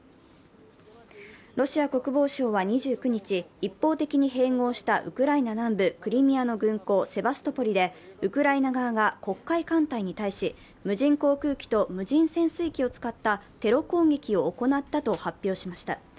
ロシア国防省は２９日、一方的に併合したウクライナ南部クリミアの軍港、セバストポリでウクライナ側が黒海艦隊に対し、無人航空機と無人潜水機を使ったテロ攻撃を行ったと発表しました。